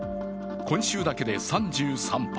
今週だけで３３発。